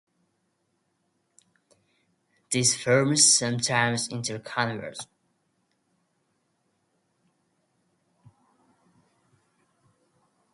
These forms sometimes interconvert.